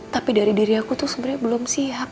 tapi dari diri aku tuh sebenarnya belum siap